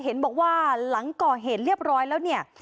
เห็นบอกว่าหลังก่อเหตุเรียบร้อยแล้วเนี่ย